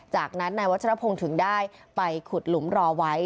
จากนั้นนายวัชรพงศ์ถึงได้ไปขุดหลุมรอไว้